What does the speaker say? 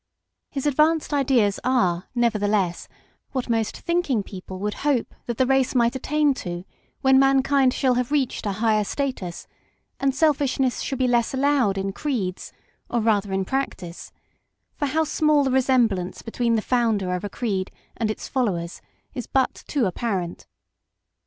His advanced ideas are, nevertheless, what most thinking people would hope that the race might attain to when mankind shall have reached a higher status, and selfishness shall be less allowed in creeds, or rather in practice ; for how small the resemblance between the founder of a creed and its followers is but too apparent.